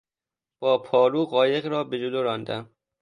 با پارو قایق را به جلو راندم.